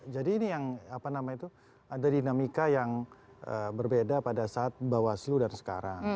jadi ini yang apa namanya itu ada dinamika yang berbeda pada saat bawaslu dan sekarang